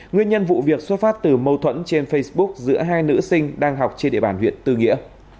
nguyên nhân vụ việc xuất phát từ mâu thuẫn trên facebook giữa hai nữ sinh đang học trên địa bàn huyện tư nghĩa